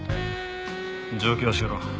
状況を教えろ。